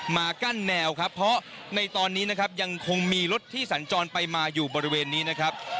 มากั้นแนวครับเพราะในตอนนี้นะครับยังคงมีรถที่สัญจรไปมาอยู่บริเวณนี้นะครับ